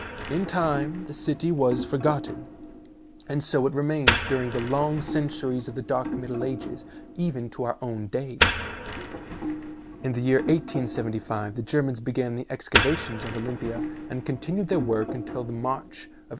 In time the city was forgotten, and so it remained during the long centuries of the dark Middle Ages, even to our own day. In the year 1875 the Germans began the excava tions of Olympia and continued their work until the March of 1881.